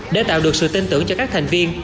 để tạo được sự tin tưởng cho các thành viên